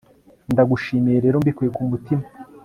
ndagushimiye rero, mbikuye ku mutima